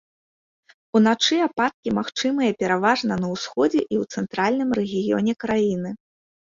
Уначы ападкі магчымыя пераважна на ўсходзе і ў цэнтральным рэгіёне краіны.